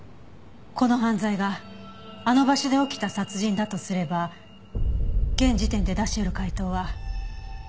この犯罪があの場所で起きた殺人だとすれば現時点で出し得る解答は。